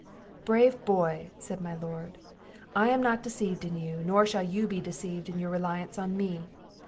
"Brave boy!" said my Lord; "I am not deceived in you, nor shall you be deceived in your reliance on me.